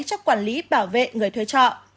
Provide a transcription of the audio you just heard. cho quản lý bảo vệ người thuê trọ